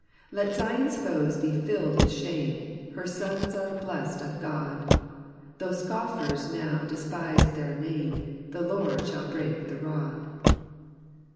Let Zion's foes be filled with shame ; Her sons are bless'd of God ; Though scofiers now despise their name. The Lord shall break the rod.